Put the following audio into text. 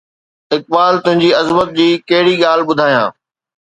اقبال، تنهنجي عظمت جي ڪهڙي ڳالهه ٻڌايان؟